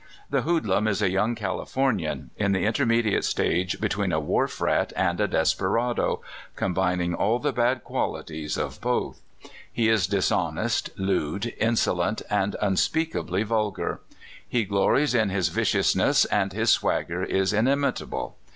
The hoodlum is a young Californian in the intermedi ate stage between a wharf rat and a desperado, combining all the bad qualities of both. He is dishonest, lewd, insolent, and unspeakably vulgar. He glories in his viciousness, and his swagger is inimitable.